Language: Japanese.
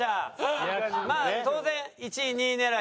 まあ当然１位２位狙い？